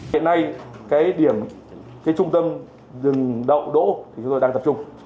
hiện nay cái điểm cái trung tâm rừng đậu đỗ thì chúng tôi đang tập trung